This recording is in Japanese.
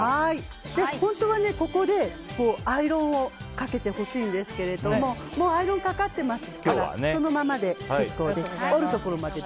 本当はね、ここでアイロンをかけてほしいんですけれどもアイロンかかっていますからそのままで結構です。